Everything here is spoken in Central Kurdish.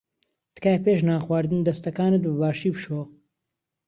تکایە پێش نان خواردن دەستەکانت بەباشی بشۆ.